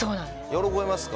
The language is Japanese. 喜びますか？